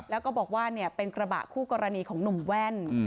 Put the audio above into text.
แล้วก็บอกว่าเป็นกระบะคู่กรณีของหนุ่มแว่น